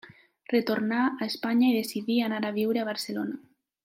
Retornà a Espanya i decidí anar a viure a Barcelona.